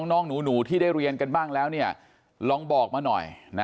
น้องหนูที่ได้เรียนกันบ้างแล้วลองบอกมาหน่อย